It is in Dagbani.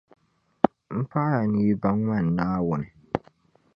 M paɣiya ni yi baŋ man’ Naawuni.